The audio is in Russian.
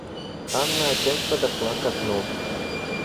Анна опять подошла к окну.